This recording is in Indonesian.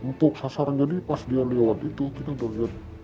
untuk sasaran jadi pas dia lewat itu kita udah lihat